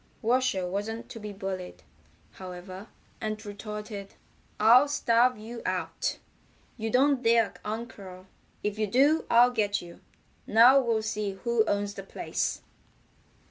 Washer wasn't to be bullied, however, and retorted: "I'll starve you out. You don't dare uncurl. If you do I'll get you. Now we'll see who owns the place."